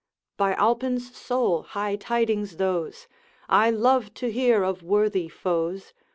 'By Alpine's soul, high tidings those! I love to hear of worthy foes.